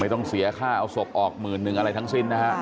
ต้องเสียค่าเอาศพออกหมื่นหนึ่งอะไรทั้งสิ้นนะฮะ